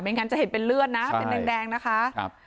ไม่งั้นจะเห็นเป็นเลือดน่ะใช่เป็นแดงแดงนะคะครับ